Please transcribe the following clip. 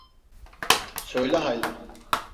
Söyle haydi.